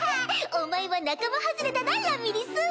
お前は仲間外れだなラミリス。